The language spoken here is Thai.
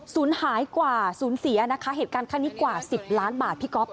ศูนย์หายกว่าสูญเสียนะคะเหตุการณ์ข้างนี้กว่า๑๐ล้านบาทพี่ก๊อฟ